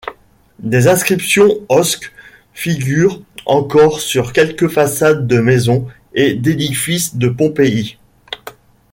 Des inscriptions osques figurent encore sur quelques façades de maisons et d'édifices de Pompéi.